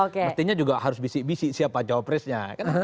mestinya juga harus bisik bisik siapa jawab presnya